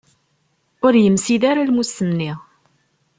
Ur yemsid ara lmus-nni.